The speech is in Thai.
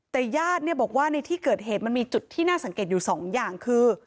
แต่ญาติเนี่ยบอกว่าในที่เกิดเหตุมันมีจุดที่น่าสังเกตอยู่สองอย่างคือ